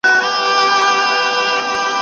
تاسي به په راتلونکي کي د خپل ژوند توازن مراعت کړئ.